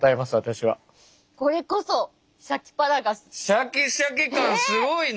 シャキシャキ感すごいね！